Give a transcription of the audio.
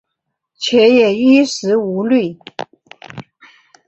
却也衣食无虑